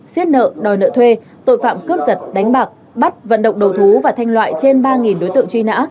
xiết nợ đòi nợ thuê tội phạm cướp giật đánh bạc bắt vận động đầu thú và thanh loại trên ba đối tượng truy nã